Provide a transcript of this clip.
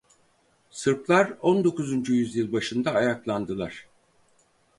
Sırplar on dokuzuncu yüzyıl başında ayaklandılar.